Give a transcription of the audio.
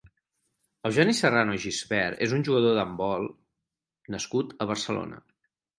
Eugeni Serrano i Gispert és un jugador de handbol nascut a Barcelona.